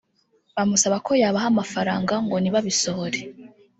bamusaba ko yabaha amafaranga ngo ntibabisohore